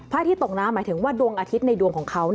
อาทิตยตกน้ำหมายถึงว่าดวงอาทิตย์ในดวงของเขา